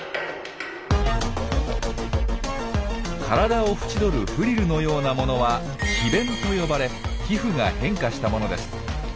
体を縁取るフリルのようなものは「皮弁」と呼ばれ皮膚が変化したものです。